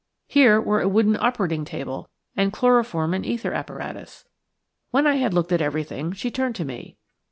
Here were a wooden operating table and chloroform and ether apparatus. When I had looked at everything, she turned to me.